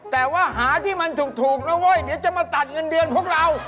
แต่ว่าหาที่มันถูกแล้วเว้ยเดี๋ยวจะมาตัดเงินเดือนพวกเรา